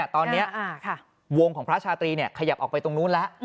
ตอนนี้วงของพระชาตรีขยับออกไปตรงนู้นแล้ว